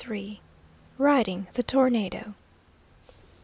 RIDING THE TORNADO.